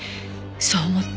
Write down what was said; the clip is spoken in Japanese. そう思って。